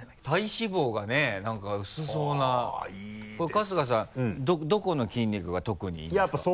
春日さんどこの筋肉が特にいいと思いますか？